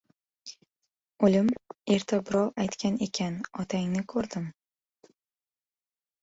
— Ulim, erta birov aytgan ekan, otangni ko‘rdim